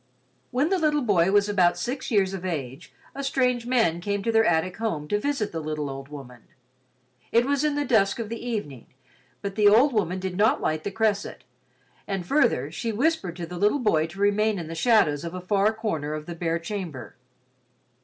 When the little boy was about six years of age, a strange man came to their attic home to visit the little old woman. It was in the dusk of the evening but the old woman did not light the cresset, and further, she whispered to the little boy to remain in the shadows of a far corner of the bare chamber.